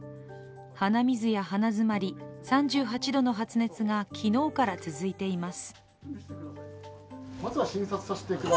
鼻水や鼻詰まり、３８度の発熱が昨日から続いています。